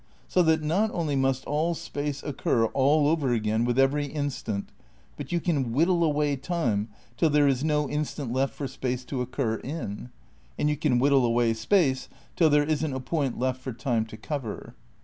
So that, not only must all space occur aU over again with every instant, but you can whittle away time till there is no instant left for space to occur in, and you can whittle away space till there isn't a point left for time to cover.